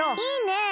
いいね！